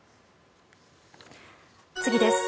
次です。